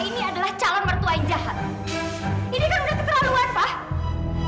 ini kan sudah keterlaluan pak